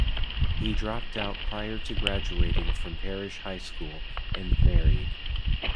He dropped out prior to graduating from Parrish High School and married.